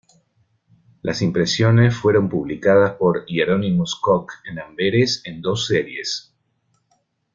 Las impresiones fueron publicadas por Hieronymus Cock en Amberes en dos series.